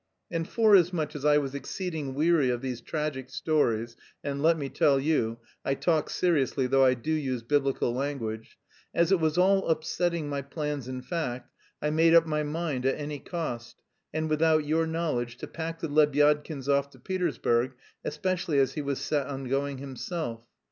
And forasmuch as I was exceeding weary of these tragic stories and let me tell you, I talk seriously though I do use Biblical language as it was all upsetting my plans in fact, I made up my mind at any cost, and without your knowledge, to pack the Lebyadkins off to Petersburg, especially as he was set on going himself.